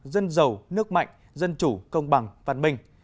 dân giàu nước mạnh dân chủ công bằng văn minh